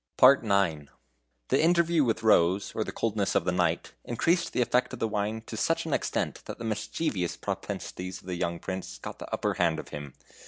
IX. The interview with Rose, or the coldness of the night, increased the effect of the wine to such an extent that the mischievous propensities of the young Prince got the upper hand of him.